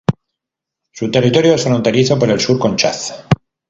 Su territorio es fronterizo por el sur con Chad.